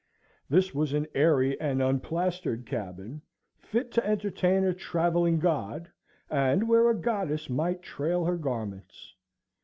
This was an airy and unplastered cabin, fit to entertain a travelling god, and where a goddess might trail her garments.